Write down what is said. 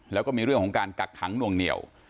แล้วก็มีเรื่องของการกักขังนวงเหนียว